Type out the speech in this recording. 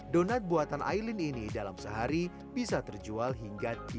donat buatan aileen ini dalam sehari bisa terjual hingga tiga puluh